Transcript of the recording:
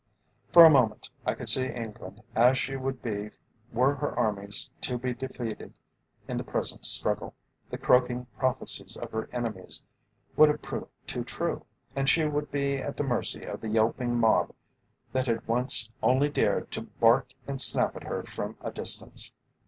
For a moment I could see England as she would be were her armies to be defeated in the present struggle. The croaking prophecies of her enemies would have proved too true, and she would be at the mercy of the yelping mob that had once only dared to bark and snap at her from a distance.